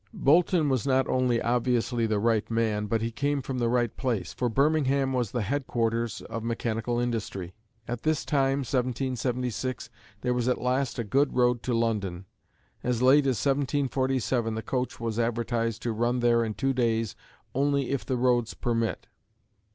Boulton was not only obviously the right man but he came from the right place, for Birmingham was the headquarters of mechanical industry. At this time, 1776, there was at last a good road to London. As late as 1747 the coach was advertised to run there in two days only "if the roads permit."